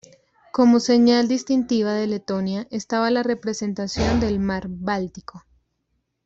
Como señal distintiva de Letonia estaba la representación del mar Báltico.